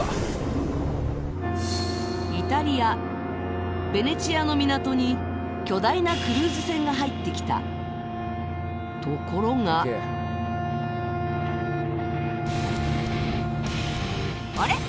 イタリアベネチアの港に巨大なクルーズ船が入ってきたところがあれ？